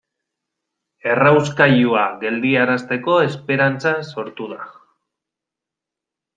Errauskailua geldiarazteko esperantza sortu da.